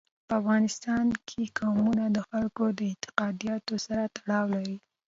په افغانستان کې قومونه د خلکو د اعتقاداتو سره تړاو لري.